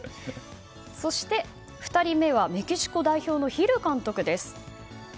そして、２人目はメキシコ代表のヒル監督です。